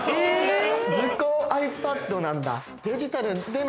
図工ｉＰａｄなんだ。